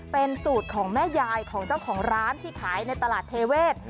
เป็นสูตรของแม่ยายของเจ้าของร้านที่ขายในตลาดเทเวศ